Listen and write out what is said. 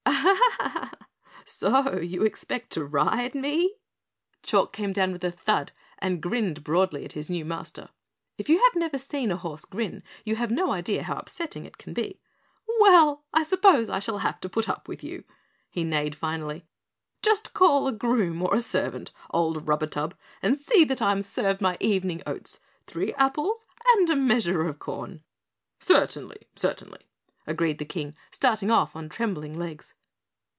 "Ah so you expect to ride me?" Chalk came down with a thud and grinned broadly at his new master. If you have never seen a horse grin, you have no idea how upsetting it can be. "Well, I suppose I shall have to put up with you," he neighed finally. "Just call a groom or a servant, old Rub atub, and see that I'm served my evening oats, three apples, and a measure of corn." "Certainly, certainly," agreed the King, starting off on trembling legs.